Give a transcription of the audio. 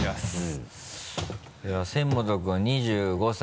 仙本君２５歳？